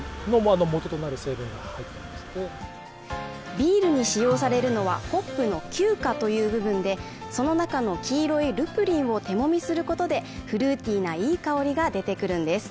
ビールに使用されるのはホップの毬花という部分でその中の黄色いルプリンを手もみすることでフルーティーないい香りが出てくるんです。